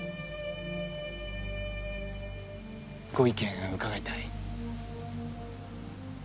ご意見を伺いたい。